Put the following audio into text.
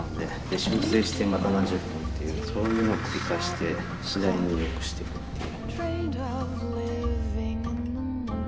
修正してまた何十分っていうそういうのを繰り返して次第によくしていくっていう。